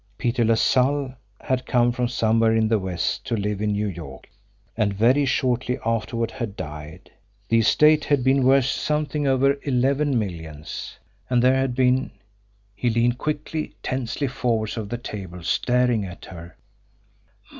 Peter LaSalle had come from somewhere in the West to live in New York; and very shortly afterward had died. The estate had been worth something over eleven millions. And there had been he leaned quickly, tensely forward over the table, staring at her.